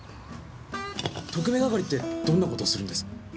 特命係ってどんな事するんです？